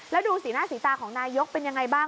แล้วดูสีหน้าสีตาของนายกเป็นยังไงบ้าง